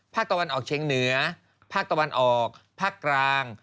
ภาคตะวันออกเชียงเหนือภาคตะวันออกภาคกลาง